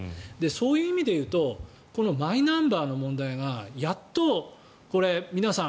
そういう意味でいうとこのマイナンバーの問題がやっと皆さん